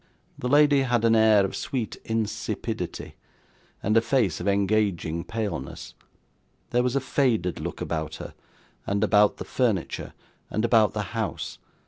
The lady had an air of sweet insipidity, and a face of engaging paleness; there was a faded look about her, and about the furniture, and about the house.